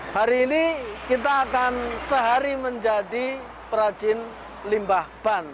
hari ini kita akan sehari menjadi perajin limbah ban